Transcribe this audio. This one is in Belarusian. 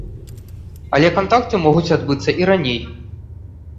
Але кантакты могуць адбыцца і раней.